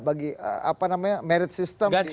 bagi apa namanya merit system di